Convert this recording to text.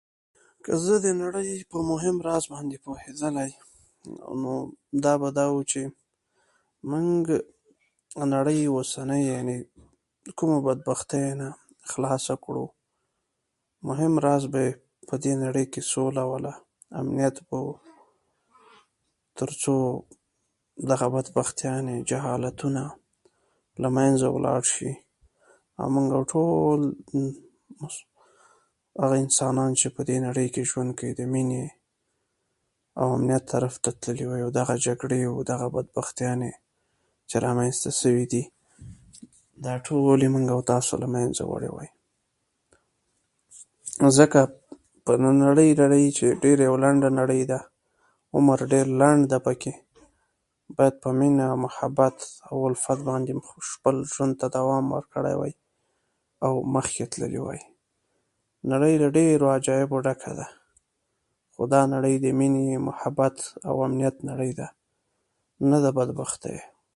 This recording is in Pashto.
که زه د نړۍ په مهم راز باندې پوهېدلی، نو دا به دا وي چې موږ نړۍ ونیسو، د کومې بدبختۍ نه خلاصه کړو. مهم راز به یې په دې نړۍ کې سوله وای، امنیت به وای، تر څو دغه بدبختیانې، جهالتونه له منځه لاړ شي، او موږ ټول انسانان چې په دې نړۍ کې ژوند کوي، د مینې او امنیت طرف ته تللي وای، او دغه جګړې او بدبختیانې چې رامنځته شوي دي، دغه ټول موږ له منځه وړي وای. ځکه په نننۍ نړۍ کې، چې ډېره یوه لنډه نړۍ ده، او عمر ډېر لنډ ده پکې، باید په مینه، محبت او الفت باندې مو پکې خپل ژوند ته دوام ورکړی وای، او مخکې تللي وای. نړۍ له ډېرو عجایبو ډکه ده، او دا نړۍ د مینې، محبت او امنیت نړۍ ده، نه د بدبختۍ.